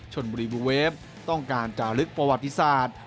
ชนบุรีบูเวฟต้องการจะลึกประวัติศาสตร์